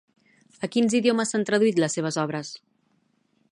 A quins idiomes s'han traduït les seves obres?